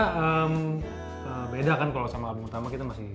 karena beda kan kalo sama album pertama kita masih